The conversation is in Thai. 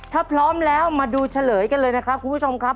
ถ้าพร้อมแล้วมาดูเฉลยกันเลยนะครับคุณผู้ชมครับ